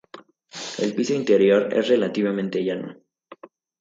El piso interior es relativamente llano.